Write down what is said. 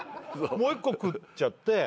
もう１個食っちゃって。